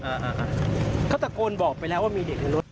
อ่าเขาตะโกนบอกไปแล้วว่ามีเด็กในรถ